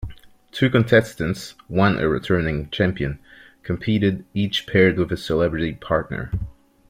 Two contestants, one a returning champion, competed, each paired with a celebrity partner.